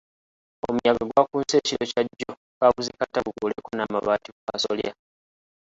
Omuyaga gwakunse ekiro kya jjo kaabuze kata gukuuleko n’amabaati ku kasolya.